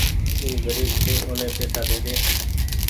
او گريب ڇي اوني پئيسا ڏيڌي۔